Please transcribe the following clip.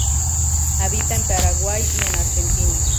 Habita en Paraguay y en Argentina.